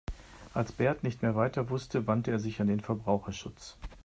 Als Bert nicht mehr weiter wusste, wandte er sich an den Verbraucherschutz.